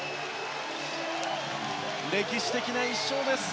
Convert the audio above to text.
歴史的な１勝です。